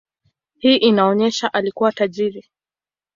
Hii inaonyesha alikuwa tajiri.